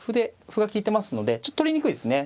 歩が利いてますのでちょっと取りにくいですね。